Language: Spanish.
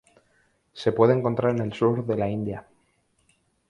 Se puede encontrar en el sur de la India.